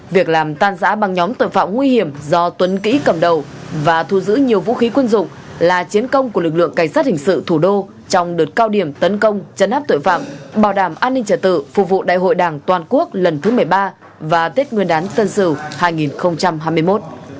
việc làm tan giã băng nhóm tội phạm nguy hiểm do tuấn kỹ cầm đầu và thu giữ nhiều vũ khí quân dụng là chiến công của lực lượng cảnh sát hình sự thủ đô trong đợt cao điểm tấn công chấn áp tội phạm bảo đảm an ninh trả tự phục vụ đại hội đảng toàn quốc lần thứ một mươi ba và tết nguyên đán tân sửu hai nghìn hai mươi một